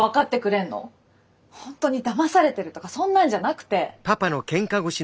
本当にだまされてるとかそんなんじゃなくて。